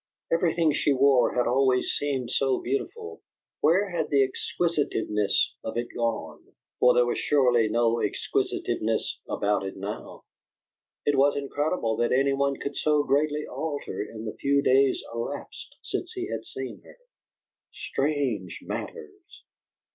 Everything she wore had always seemed so beautiful. Where had the exquisiteness of it gone? For there was surely no exquisiteness about it now! It was incredible that any one could so greatly alter in the few days elapsed since he had seen her. Strange matters!